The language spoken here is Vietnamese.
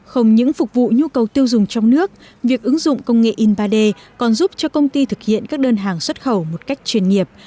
không những phục vụ nhu cầu tiêu dùng trong nước việc ứng dụng công nghệ in ba d còn giúp cho công ty thực hiện các đơn hàng xuất khẩu một cách chuyên nghiệp